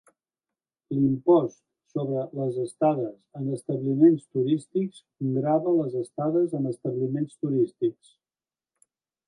L'Impost sobre les estades en establiments turístics grava les estades en establiments turístics.